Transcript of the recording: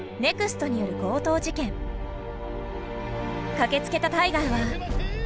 駆けつけたタイガーは。